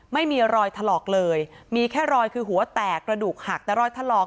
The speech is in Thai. ไม่มีรอยถลอกเลยมีแค่รอยคือหัวแตกกระดูกหักแต่รอยถลอก